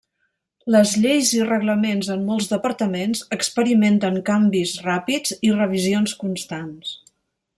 Les lleis i reglaments en molts departaments experimenten canvis ràpids i revisions constants.